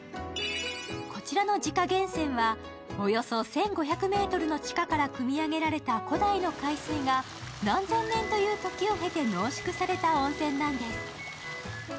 こちらの自家源泉はおよそ１５００ｍの地下からくみ上げられた古代の海水が何千年という時を経て濃縮された温泉なんです。